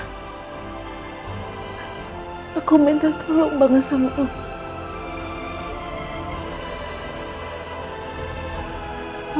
tapi ramai saja itulah yang tak ada dengan semua ketua warga